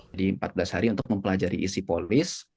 jadi empat belas hari untuk mempelajari isi polis